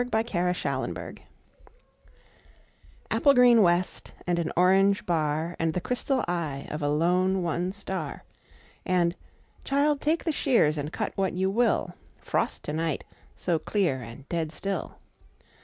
Thomas "Frost To Night" APPLE GREEN west and an orange bar, And the crystal eye of a lone, one star …And, "Child, take the shears and cut what you will, Frost to night—so clear and dead still."